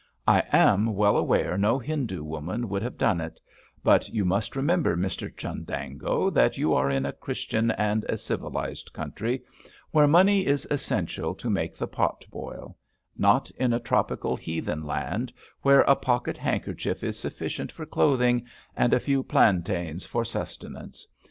I am well aware no Hindoo woman would have done it; but you must remember, Mr Chundango, that you are in a Christian and a civilised country, where money is essential to make the pot boil not in a tropical heathen land where a pocket handkerchief is sufficient for clothing, and a few plantains for sustenance.